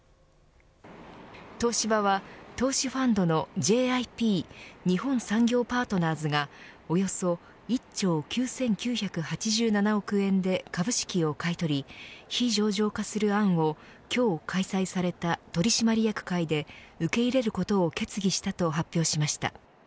東芝は投資ファンドのＪＩＰ日本産業パートナーズがおよそ１兆９９８７億円で株式を買い取り非上場化する案を今日開催された取締役会で受け入れることを決議したと発表しました。